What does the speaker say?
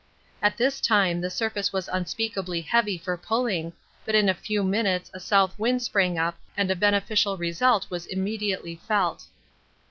At this time the surface was unspeakably heavy for pulling, but in a few minutes a south wind sprang up and a beneficial result was immediately felt.